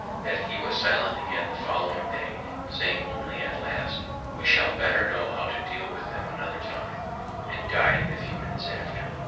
_" That he was silent again the following day, saying only at last, "We shall better know how to deal with them another time"; and dy'd in a few minutes after.